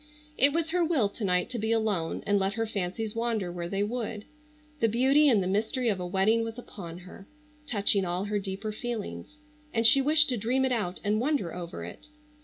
It was her will to night to be alone and let her fancies wander where they would. The beauty and the mystery of a wedding was upon her, touching all her deeper feelings, and she wished to dream it out and wonder over it.